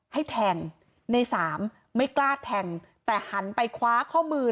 ให้แทงในสามไม่กล้าแทงแต่หันไปคว้าข้อมือ